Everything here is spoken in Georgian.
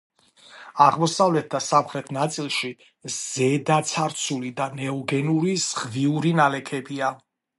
აღმოსავლეთ და სამხრეთ ნაწილში ზედაცარცული და ნეოგენური ზღვიური ნალექებია.